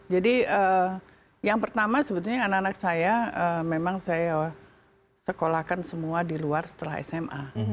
jadi yang pertama sebetulnya anak anak saya memang saya sekolahkan semua di luar setelah sma